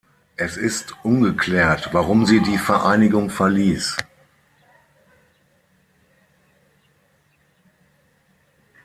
Es ist ungeklärt, warum sie die Vereinigung verließ.